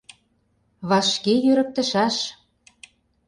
— Вашке йӧрыктышаш!..